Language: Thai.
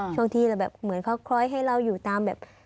ช่วงที่เราแบบเหมือนเขาคล้อยให้เราอยู่ตามแบบ